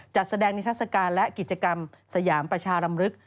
จัดแสดงนิทัศกาลและกิจกรรมสยามประชารำลึก